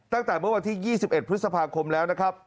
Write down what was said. ตั้งแต่เมื่อวันที่๒๑พฤษภาคมแล้วนะครับ